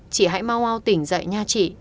chị hãy mau mau tỉnh dậy nha chị